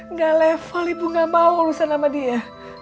enggak level ibu enggak mau urusan sama dia